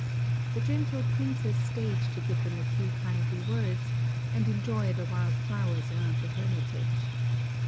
The gentle princess stayed to give them a few kindly words and enjoy the wild flowers around the hermitage.